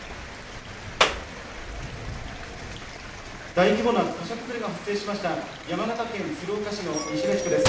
大規模な土砂崩れが発生しました山形県鶴岡市の西目地区です。